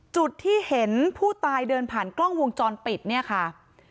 จุดที่เห็นผู้ตายเดินผ่านกล้องวงจรปิดเนี่ยค่ะ